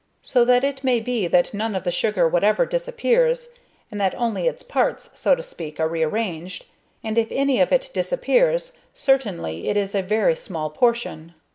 So that it may be that none of the sugar whatever disappears, and that only its parts, so to speak, are re arranged, and if any of it disappears, certainly it is a very small portion.